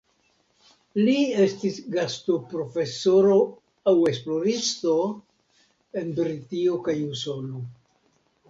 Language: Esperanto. Li estis gastoprofesoro aŭ esploristo en Britio kaj Usono.